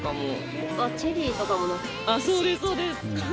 あっそうですそうです。